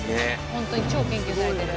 ホントに超研究されてる。